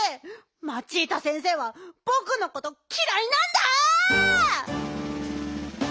マチータ先生はぼくのこときらいなんだ！